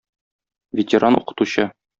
ветеран укытучы.